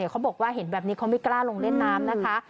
เขาบอกว่าเห็นแบบนี้เขาไม่กล้าลงเล่นน้ำนะคะ